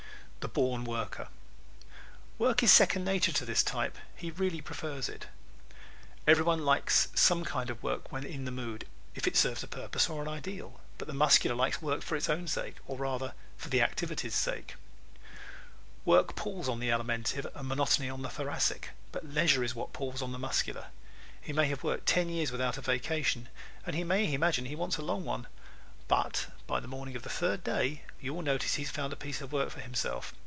The Born Worker ¶ Work is second nature to this type. He really prefers it. Everyone likes some kind of work when in the mood if it serves a purpose or an ideal. But the Muscular likes work for its own sake or rather for the activity's sake. Work palls on the Alimentive and monotony on the Thoracic, but leisure is what palls on the Muscular. He may have worked ten years without a vacation and he may imagine he wants a long one, but by the morning of the third day you will notice he has found a piece of work for himself.